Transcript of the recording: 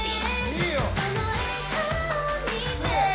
いいよ。